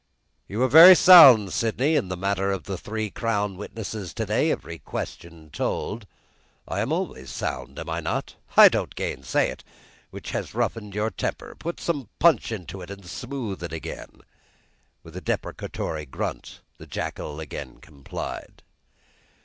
"You were very sound, Sydney, in the matter of those crown witnesses to day. Every question told." "I always am sound; am I not?" "I don't gainsay it. What has roughened your temper? Put some punch to it and smooth it again." With a deprecatory grunt, the jackal again complied.